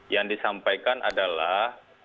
yang disampaikan adalah